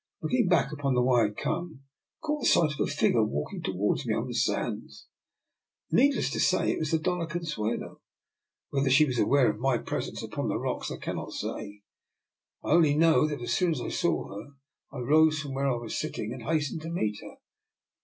Looking back upon the way I had come, I caught sight of a figure walking towards me on the sands. Need less to say, it was the Dofia Consuelo. Whether she was aware of my presence upon the rocks, I cannot say; I only know that as soon as I saw her I rose from where I was sit ting and hastened to meet her.